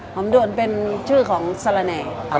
ด่วนเป็นชื่อของสระแหน่